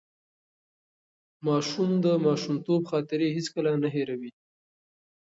ماشومان د ماشومتوب خاطرې هیڅکله نه هېروي.